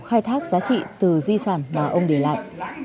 khai thác giá trị từ di sản mà ông để lại